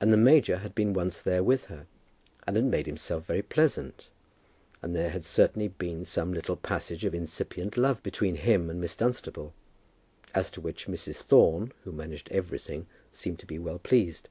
And the major had been once there with her, and had made himself very pleasant, and there had certainly been some little passage of incipient love between him and Miss Dunstable, as to which Mrs. Thorne, who managed everything, seemed to be well pleased.